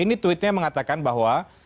ini tweetnya mengatakan bahwa